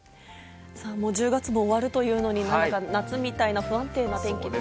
もう１０月も終わるというのに、夏みたいな不安定な天気ですね。